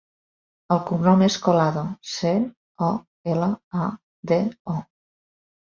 El cognom és Colado: ce, o, ela, a, de, o.